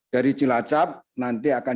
dari cilacap nanti akan